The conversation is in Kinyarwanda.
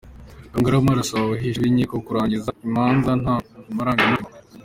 Karugarama arasaba abahesha b’inkiko kurangiza imanza nta marangamutima